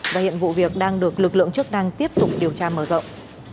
và hiện vụ việc đang được lực lượng chức năng tiếp tục điều tra mở rộng